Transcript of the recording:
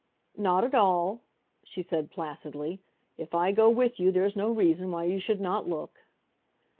"Not at all," she said placidly. "If I go with you there's no reason why you should not look."